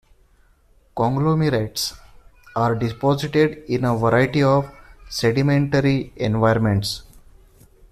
Conglomerates are deposited in a variety of sedimentary environments.